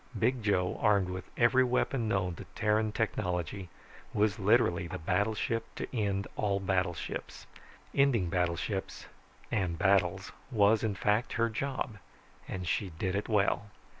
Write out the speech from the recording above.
Big Joe, armed with every weapon known to Terran technology, was literally the battleship to end all battleships. Ending battleships and battles was, in fact, her job. And she did it well.